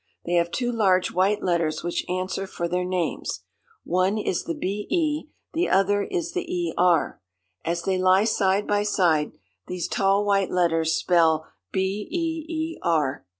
They have two large white letters which answer for their names. One is the BE; the other is the ER. As they lie side by side these tall white letters spell B E E R.